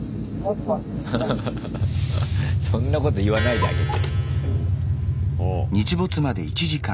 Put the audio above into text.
そんなこと言わないであげて。